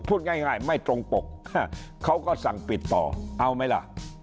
พูดง่ายไม่ตรงปกเขาก็สั่งปิดต่อเอาไหมล่ะ